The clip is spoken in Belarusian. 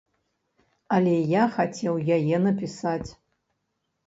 Але я хацеў яе напісаць.